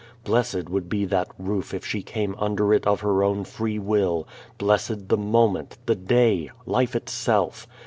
Blessed would be that roof if she came under it of her own free will, blessed the moment, the day, life itself.